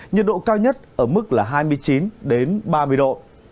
nhiệt độ cao nhất ở mức là hai mươi chín ba mươi độ